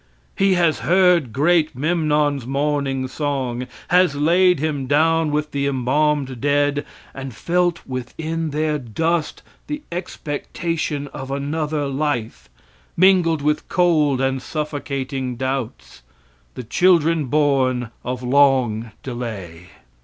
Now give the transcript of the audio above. He has heard great Memnon's morning song, has laid him down with the embalmed dead, and felt within their dust the expectation of another life, mingled with cold and suffocating doubts the children born of long delay.